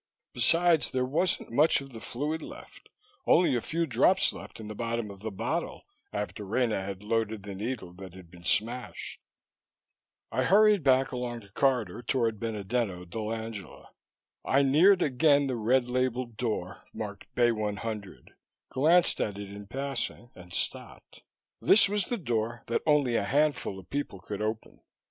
Besides, there wasn't much of the fluid left, only the few drops left in the bottom of the bottle after Rena had loaded the needle that had been smashed. I hurried back along the corridor toward Benedetto dell'Angela. I neared again the red labeled door marked Bay 100, glanced at it in passing and stopped. This was the door that only a handful of people could open.